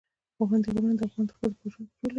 پابندی غرونه د افغان ښځو په ژوند کې رول لري.